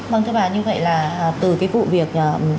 vâng thưa bà như vậy là từ cái vụ việc